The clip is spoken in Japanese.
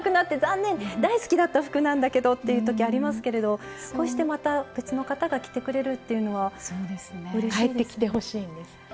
大好きだった服なんだけどっていう時ありますけれどこうしてまた別の方が着てくれるっていうのはうれしいですね。